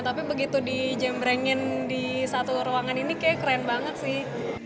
tapi begitu dijembrengin di satu ruangan ini kayaknya keren banget sih